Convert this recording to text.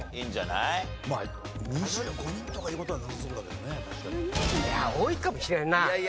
いや多いかもしれんな。